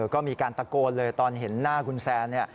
ก็มีการตะโกนเลยตอนเห็นหน้าคุณแซน